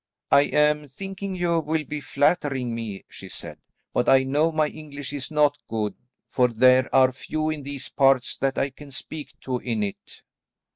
"I am thinking you will be flattering me," she said, "but I know my English is not good, for there are few in these parts that I can speak to in it."